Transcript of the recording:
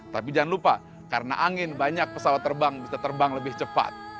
tapi jangan lupa karena angin banyak pesawat terbang bisa terbang lebih cepat